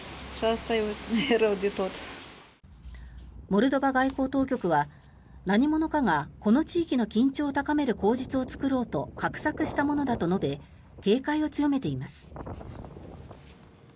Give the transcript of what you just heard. モルドバ外交当局は何者かがこの地域の緊張を高める口実を作ろうと画策したものだと述べ警戒を強めています。